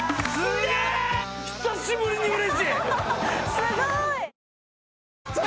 すごい！